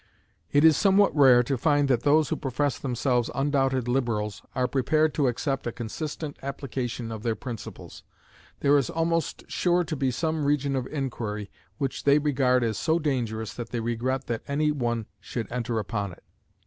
It is somewhat rare to find that those who profess themselves undoubted liberals are prepared to accept a consistent application of their principles. There is almost sure to be some region of inquiry which they regard as so dangerous that they regret that any one should enter upon it.